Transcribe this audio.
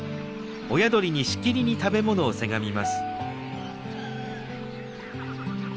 親鳥にしきりに食べ物をせがみます。